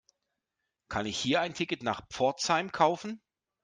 Kann ich hier ein Ticket nach Pforzheim kaufen?